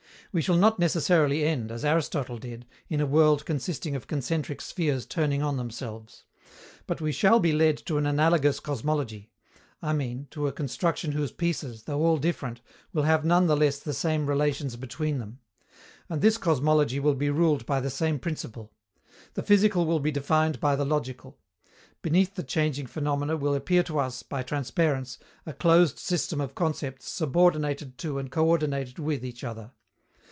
We shall not necessarily end, as Aristotle did, in a world consisting of concentric spheres turning on themselves. But we shall be led to an analogous cosmology I mean, to a construction whose pieces, though all different, will have none the less the same relations between them. And this cosmology will be ruled by the same principle. The physical will be defined by the logical. Beneath the changing phenomena will appear to us, by transparence, a closed system of concepts subordinated to and coördinated with each other.